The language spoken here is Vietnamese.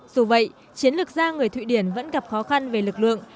dù vậy chiến lược gia người thụy điển vẫn gặp khó khăn về lực lượng